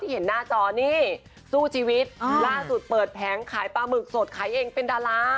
เห็นหน้าจอนี่สู้ชีวิตล่าสุดเปิดแผงขายปลาหมึกสดขายเองเป็นดารา